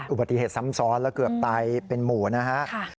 อุบัติเหตุซ้ำซ้อนแล้วเกือบตายเป็นหมู่นะครับ